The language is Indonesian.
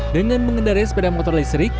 dengan mengendarai sepeda motor listrik